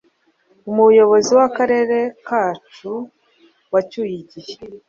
Umuyobozi wakarere ka Cu wacyuye igihe